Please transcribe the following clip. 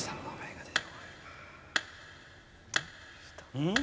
うん？